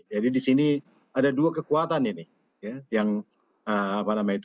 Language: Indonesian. jadi di sini ada dua kekuatan ini